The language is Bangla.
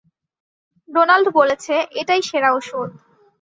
ডোনাল্ড বলেছে, এটাই সেরা ওষুধ।